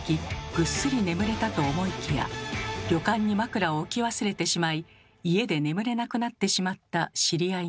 ぐっすり眠れたと思いきや旅館に枕を置き忘れてしまい家で眠れなくなってしまった知り合いがいます。